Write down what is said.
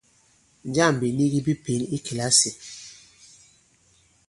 Njâŋ bìnigi bi pěn i kìlasì ?